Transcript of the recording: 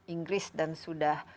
inggris dan sudah